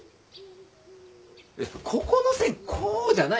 ここの線こうじゃない。